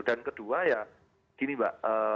dan kedua ya gini mbak